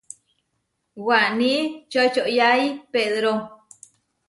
Waní čočoyái Pedró.